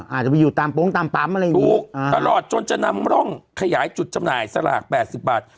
อาจจะไปอยู่ตามโป๊งตามปั๊มอะไรอย่างนี้ถูกตลอดจนจะนำร่องขยายจุดจำหน่ายสลาก๘๐บาท